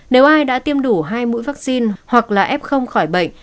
nếu ai đã tiêm đủ hai mũi vaccine hoặc là ép không khỏi bệnh